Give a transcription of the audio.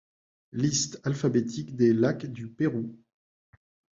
Liste alphabétique des lacs du Pérou.